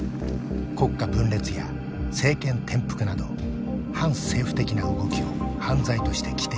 国家分裂や政権転覆など反政府的な動きを犯罪として規定した。